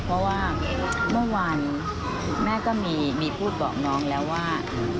เพราะว่าเมื่อวานแม่ก็มีพูดบอกน้องแล้วว่า